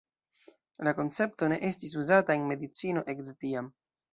La koncepto ne estis uzata en medicino ekde tiam.